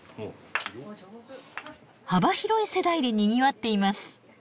幅広い世代でにぎわっています。